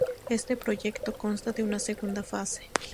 Este proyecto consta de una segunda fase.